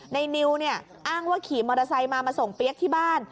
นิวเนี่ยอ้างว่าขี่มอเตอร์ไซค์มามาส่งเปี๊ยกที่บ้าน